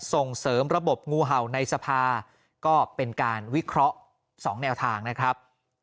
ส่งเสริมระบบงูเห่าในสภาก็เป็นการวิเคราะห์๒แนวทางนะครับ